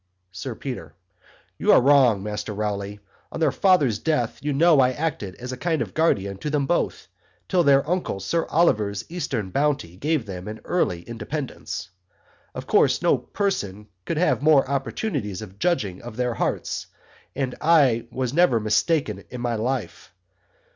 SIR PETER. You are wrong, Master Rowley on their Father's Death you know I acted as a kind of Guardian to them both till their uncle Sir Oliver's Eastern Bounty gave them an early independence. Of course no person could have more opportunities of judging of their Hearts and I was never mistaken in my life.